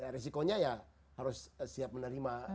risikonya ya harus siap menerima